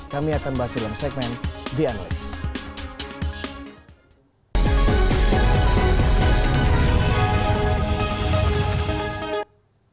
kami akan bahas di dalam segmen the unleashed